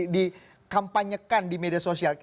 di kampanyekan di media sosial